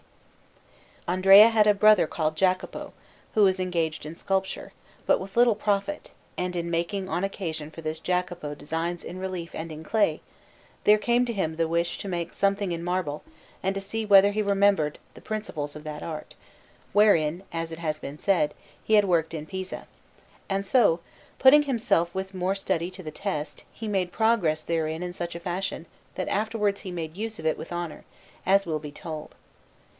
Besides Bernardo, Andrea had a brother called Jacopo, who was engaged in sculpture, but with little profit; and in making on occasion for this Jacopo designs in relief and in clay, there came to him the wish to make something in marble and to see whether he remembered the principles of that art, wherein, as it has been said, he had worked in Pisa; and so, putting himself with more study to the test, he made progress therein in such a fashion that afterwards he made use of it with honour, as it will be told.